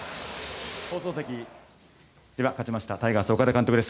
放送席、勝ちましたタイガース、岡田監督です。